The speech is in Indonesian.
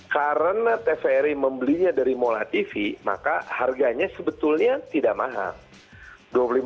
karena tvri membelinya dari mola tv maka harganya sebetulnya tidak mahal